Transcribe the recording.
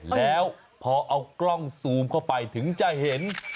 แล้วพอเอากล้องซูมเข้าไปถึงจะเห็น